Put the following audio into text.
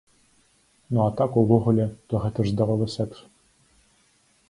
Ну а так увогуле, то гэта ж здаровы сэкс.